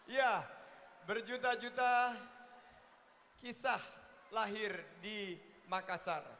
ya berjuta juta kisah lahir di makassar